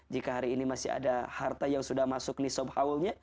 jika hari ini masih ada harta yang sudah masuk nisob haulnya